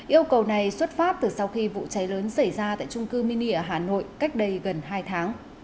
yêu cầu này xuất phát từ sau khi vụ cháy lớn xảy ra tại trung cư mini ở hà nội cách đây gần hai tháng